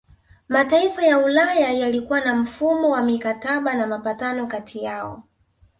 Mataifa ya Ulaya yalikuwa na mfumo wa mikataba na mapatano kati yao